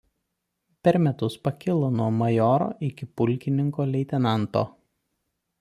Per metus pakilo nuo majoro iki pulkininko leitenanto.